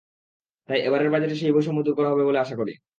তাই এবারের বাজেটে সেই বৈষম্য দূর করা হবে বলে আশা করি।